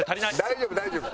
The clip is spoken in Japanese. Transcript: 大丈夫大丈夫。